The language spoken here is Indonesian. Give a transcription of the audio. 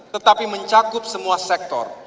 tetapi mencakup semua sektor